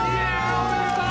おめでとう！